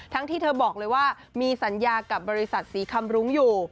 ที่เธอบอกเลยว่ามีสัญญากับบริษัทสีคำรุ้งอยู่